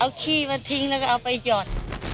เอาขี้มาทิ้งแล้วก็เอาไปหยอด